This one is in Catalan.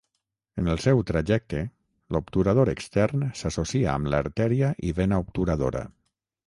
En el seu trajecte, l'obturador extern s'associa amb l'artèria i vena obturadora.